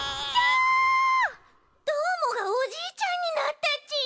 どーもがおじいちゃんになったち！